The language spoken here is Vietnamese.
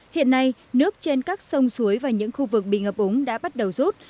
hiện nay nước trên các sông suối và những khu vực bị ngập úng đã bắt đầu rút